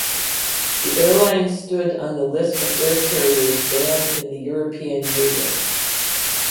The airline stood on the List of air carriers banned in the European Union.